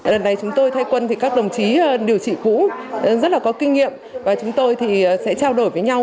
lần này chúng tôi thay quân thì các đồng chí điều trị cũ rất là có kinh nghiệm và chúng tôi thì sẽ trao đổi với nhau